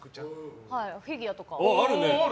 フィギュアとか。